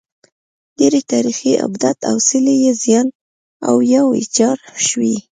ډېری تاریخي ابدات او څلي یې زیان او یا ویجاړ شوي.